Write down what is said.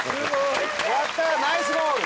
やったナイスゴール。